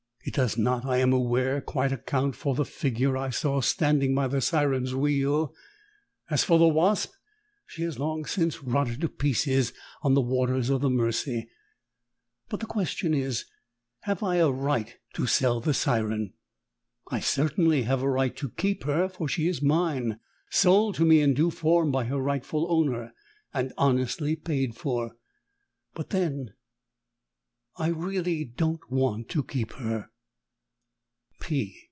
It does not, I am aware, quite account for the figure I saw standing by the Siren's wheel. As for the Wasp, she has long since rotted to pieces on the waters of the Mersey. But the question is, Have I a right to sell the Siren? I certainly have a right to keep her, for she is mine, sold to me in due form by her rightful owner, and honestly paid for. But then I don't want to keep her!